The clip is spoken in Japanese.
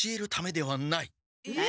えっ？